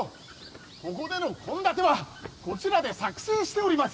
ここでの献立はこちらで作成しております